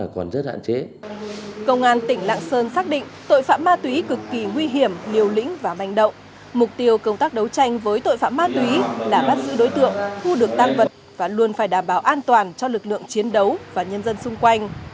các tội phạm ma túy đã bắt giữ đối tượng thu được tàng vật và luôn phải đảm bảo an toàn cho lực lượng chiến đấu và nhân dân xung quanh